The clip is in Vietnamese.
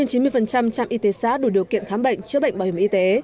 trên chín mươi trạm y tế xã đủ điều kiện khám bệnh chữa bệnh bảo hiểm y tế